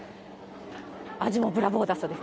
味もブラボーだそうです。